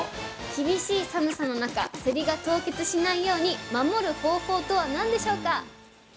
厳しい寒さの中せりが凍結しないように守る方法とは何でしょうか？